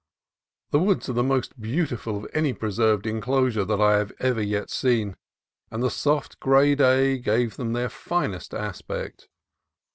The woods are the most beautiful of any preserved enclosure that I have ever seen, and the soft gray day gave them their finest aspect.